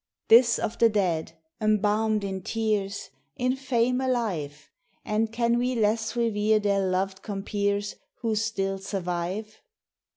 This of the dead, embalmed in tears, In fame alive; And can we less revere their loved compeers, Who still survive?